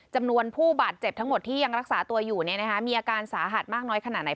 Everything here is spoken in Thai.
จำนวนผู้บาดเจ็บทั้งหมดที่ยังรักษาตัวอยู่มีอาการสาหัสมากน้อยขนาดไหน